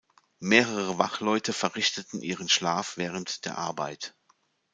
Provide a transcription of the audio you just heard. Mehrere Wachleute verrichteten ihren Schlaf während der Arbeit.